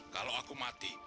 kalau aku mati